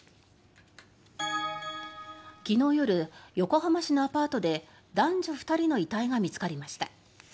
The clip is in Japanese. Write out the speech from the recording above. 昨日夜、横浜市のアパートで男女２人の遺体が見つかりました。